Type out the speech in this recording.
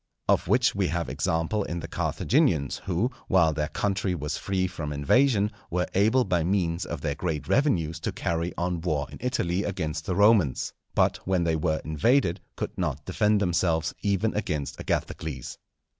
Of which we have example in the Carthaginians, who, while their country was free from invasion, were able by means of their great revenues to carry on war in Italy against the Romans, but when they were invaded could not defend themselves even against Agathocles.